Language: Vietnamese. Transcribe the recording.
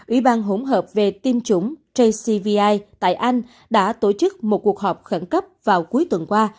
ủy ban hỗn hợp về tiêm chủng jcvi tại anh đã tổ chức một cuộc họp khẩn cấp vào cuối tuần qua